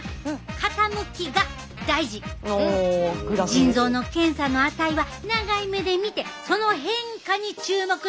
腎臓の検査の値は長い目で見てその変化に注目してな。